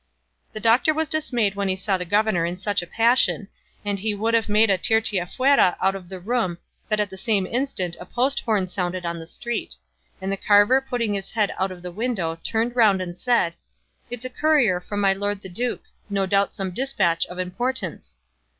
The doctor was dismayed when he saw the governor in such a passion, and he would have made a Tirteafuera out of the room but that the same instant a post horn sounded in the street; and the carver putting his head out of the window turned round and said, "It's a courier from my lord the duke, no doubt with some despatch of importance."